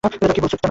কী বলছ যেন?